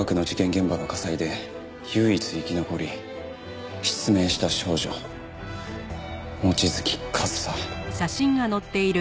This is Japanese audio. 現場の火災で唯一生き残り失明した少女望月和沙。